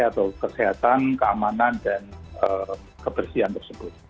atau kesehatan keamanan dan kebersihan tersebut